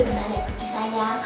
beneran ya kucing sayang